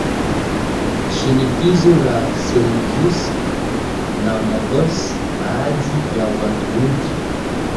shinikizo la Seljuks na Mongols Baadhi ya Waturuki